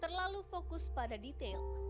terlalu fokus pada detail